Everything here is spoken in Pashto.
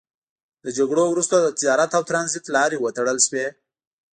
له جګړو وروسته د تجارت او ترانزیت لارې وتړل شوې.